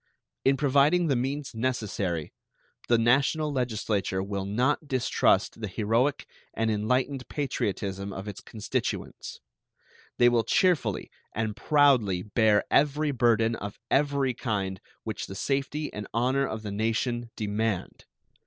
In providing the means necessary the National Legislature will not distrust the heroic and enlightened patriotism of its constituents. They will cheerfully and proudly bear every burden of every kind which the safety and honor of the nation demand.